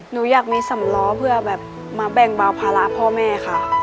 หนูอยากมีสำล้อเพื่อแบบมาแบ่งเบาภาระพ่อแม่ค่ะ